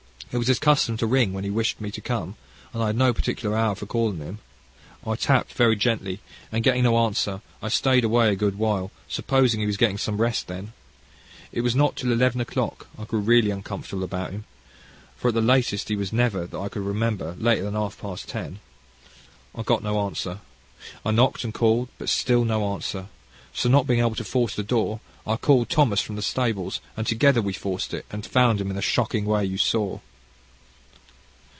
It was his custom to ring when he wished me to come, and I had no particular hour for calling him. I tapped very gently, and getting no answer, I stayed away a good while, supposing he was getting some rest then. It was not till eleven o'clock I grew really uncomfortable about him for at the latest he was never, that I could remember, later than half past ten. I got no answer. I knocked and called, and still no answer. So not being able to force the door, I called Thomas from the stables, and together we forced it, and found him in the shocking way you saw."